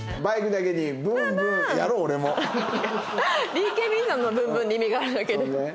ＢＫＢさんの「ブンブン」に意味があるだけで。